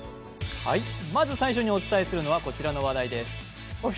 まず最初にお伝えするのは、こちらの話題です。